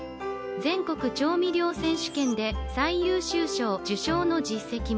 全国調味料選手権で最優秀賞受賞の実績も。